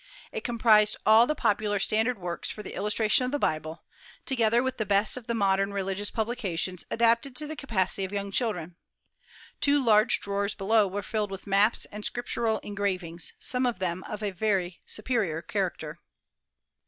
It comprised all the popular standard works for the illustration of the Bible, together with the best of the modern religious publications adapted to the capacity of young children. Two large drawers below were filled with maps and Scriptural engravings, some of them of a very superior character.